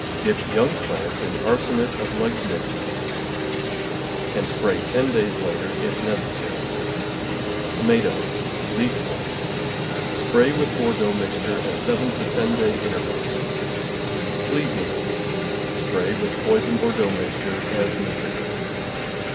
— Dip young plants in arsenate of lead mixture, and spray ten days later, if necessary. Tomato. — Leaf Blight. — Spray with Bordeaux mixture at seven to ten day intervals. Flea Beetle. — Spray with poisoned Bordeaux mixture as needed.